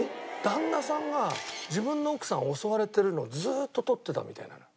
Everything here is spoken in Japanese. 旦那さんが自分の奥さんが襲われてるのをずーっと撮ってたみたいなの。